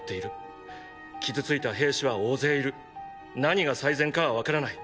傷ついた兵士は大勢いる何が最善かはわからない。